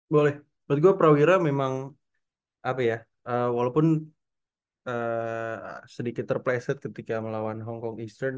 boleh buat gue prawira memang apa ya walaupun sedikit terpleset ketika melawan hong kong eastern